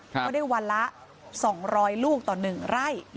ก็ได้วันละ๒๐๐ลูกต่อ๑ไร่